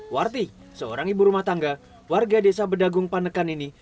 warti seorang ibu rumah tangga warga desa bedagung panekan ini